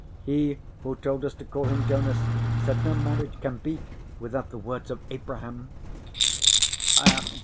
"He who told us to call him Jonas said no marriage can be without the words of Abraham."